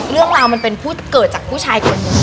เรื่องราวมันเป็นพูดเกิดจากผู้ชายคนหนึ่ง